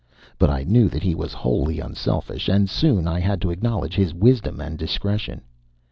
But I knew that he was wholly unselfish; and soon I had to acknowledge his wisdom and discretion.